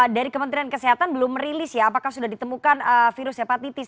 dari kementerian kesehatan belum merilis ya apakah sudah ditemukan virus hepatitis